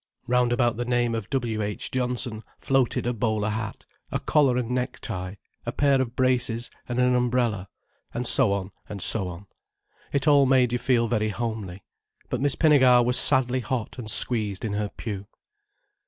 Round about the name of W. H. Johnson floated a bowler hat, a collar and necktie, a pair of braces and an umbrella. And so on and so on. It all made you feel very homely. But Miss Pinnegar was sadly hot and squeezed in her pew.